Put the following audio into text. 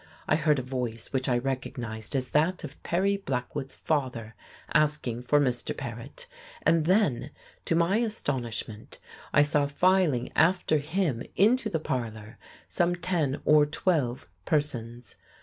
I heard a voice which I recognized as that of Perry Blackwood's father asking for Mr. Paret; and then to my astonishment, I saw filing after him into the parlour some ten or twelve persons.